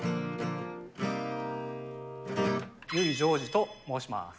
油井ジョージと申します。